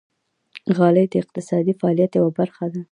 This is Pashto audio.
غالۍ د اقتصادي فعالیت یوه برخه ده.